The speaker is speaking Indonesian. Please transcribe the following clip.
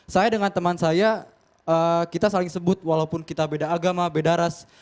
saya dengan teman saya kita saling sebut walaupun kita beda agama beda ras